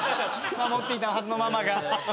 守っていたはずのママが。